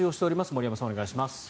森山さん、お願いします。